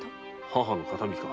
母の形見か。